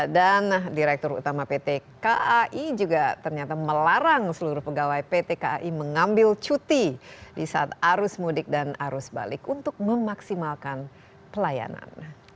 direktur utama pt kai juga ternyata melarang seluruh pegawai pt kai mengambil cuti di saat arus mudik dan arus balik untuk memaksimalkan pelayanan